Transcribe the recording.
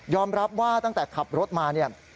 ยอมรับว่าตั้งแต่ขับรถมา